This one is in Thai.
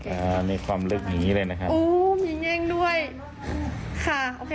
อ่ามีความลึกอย่างงี้เลยนะคะอู้มีเงินด้วยค่ะโอเค